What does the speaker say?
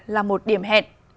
là một điểm hẹn